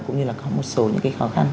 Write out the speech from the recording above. cũng như là có một số những khó khăn